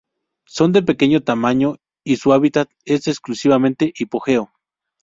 Son de pequeño tamaño y su hábitat es exclusivamente hipogeo.